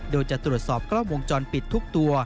โดยจะตรวจสอบกล้องวงจรปิดทุกตัว